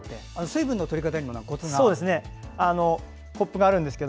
水分の取り方にもコツがあるんですか？